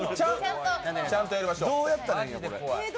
どうやったらいいの、これ？